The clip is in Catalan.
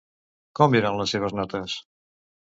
Com eren les seves notes?